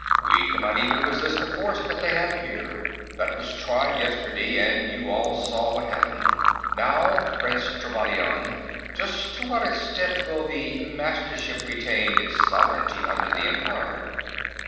"We cannot even resist the force they have here; that was tried yesterday, and you all saw what happened. Now, Prince Trevannion; just to what extent will the Mastership retain its sovereignty under the Empire?"